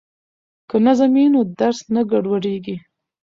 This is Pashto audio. که نظم وي نو درس نه ګډوډیږي.